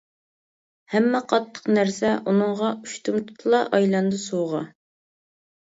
ھەممە قاتتىق نەرسە ئۇنىڭغا ئۇشتۇمتۇتلا ئايلاندى سۇغا.